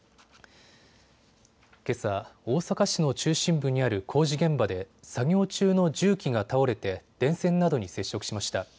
けさ、大阪市の中心部にある工事現場で作業中の重機が倒れて電線などに接触しました。